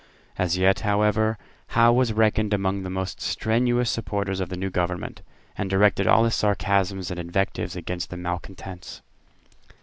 As yet, however, Howe was reckoned among the most strenuous supporters of the new government, and directed all his sarcasms and invectives against the malcontents.